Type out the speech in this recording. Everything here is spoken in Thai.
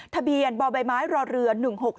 ทะเบียนบ่อใบไม้รอเรือ๑๖๖